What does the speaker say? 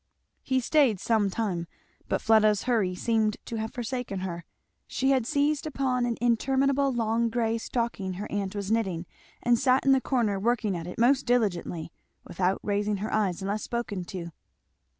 He staid some time, but Fleda's hurry seemed to have forsaken her. She had seized upon an interminable long grey stocking her aunt was knitting, and sat in the corner working at it most diligently, without raising her eyes unless spoken to.